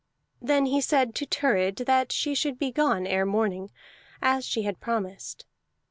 Then he said to Thurid she should be gone ere morning, as she had promised.